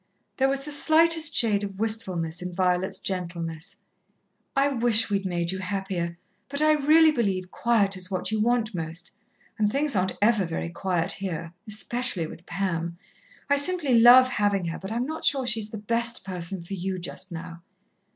There was the slightest shade of wistfulness in Violet's gentleness. "I wish we'd made you happier, but I really believe quiet is what you want most, and things aren't ever very quiet here especially with Pam. I simply love having her, but I'm not sure she is the best person for you, just now."